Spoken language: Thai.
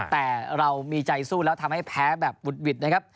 แต่เรามีใจสู้แล้วทำให้แพ้แบบวุฒิวิธ